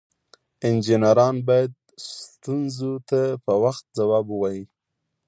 انجینران باید ستونزو ته په وخت ځواب ووایي.